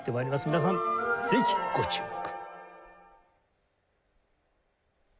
皆さんぜひご注目！